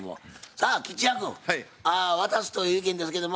さあ吉弥君渡すという意見ですけどま